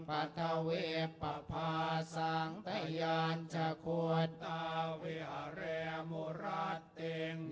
ภัทธาวิปภาสังตะยันทะโคตตาวิหาริมุรัตติง